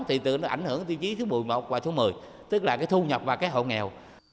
thì nó ảnh hưởng tiêu chí thứ một mươi một và thứ một mươi tức là cái thu nhập và cái hộ nghèo